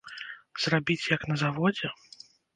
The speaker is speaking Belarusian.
Зрабіць як на заводзе?